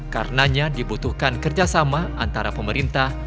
karenanya dibutuhkan kerjasama antara pemerintah